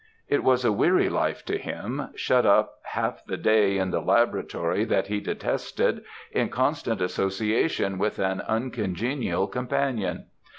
It was a weary life to him, shut up half the day in the laboratory, that he detested, in constant association with an uncongenial companion.